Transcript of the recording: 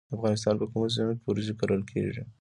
د افغانستان په کومو سیمو کې وریجې کرل کیږي؟